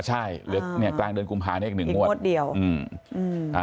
ใช่กลางเดือนกุมภาคมนี่อีก๑มวด